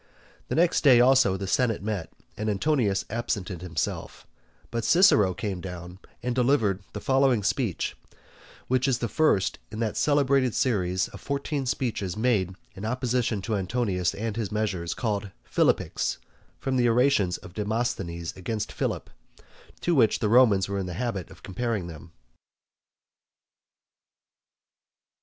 The next day also the senate met, and Antonius absented himself, but Cicero came down and delivered the following speech, which is the first of that celebrated series of fourteen speeches made in opposition to Antonius and his measures, and called Philippics from the orations of Demosthenes against Philip, to which the Romans were in the habit of comparing them.